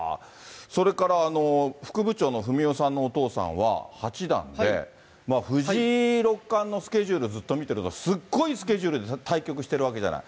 それから副部長のふみおさんのお父さんは、八段で、藤井六冠のスケジュール、ずっと見てるとすっごいスケジュールで対局してるわけじゃない。